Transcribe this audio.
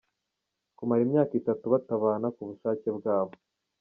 Kumara imyaka itatu batabana ku bushake bwabo.